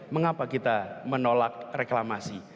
mengapa kita menolak reklamasi